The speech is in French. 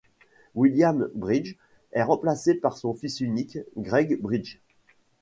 William Brydges est remplacé par son fils unique, Grey Brydges.